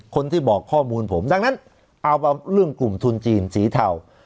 คนที่บอกข้อมูลผมดังนั้นเอาเรื่องกลุ่มทุนจีนสีเทา